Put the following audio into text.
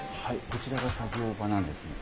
こちらが作業場なんですね。